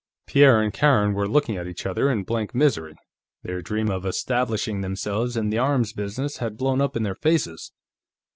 Pierre and Karen were looking at each other in blank misery; their dream of establishing themselves in the arms business had blown up in their faces.